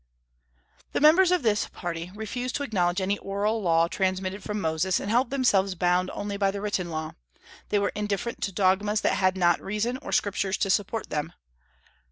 The members of this party refused to acknowledge any Oral Law transmitted from Moses, and held themselves bound only by the Written Law; they were indifferent to dogmas that had not reason or Scriptures to support them.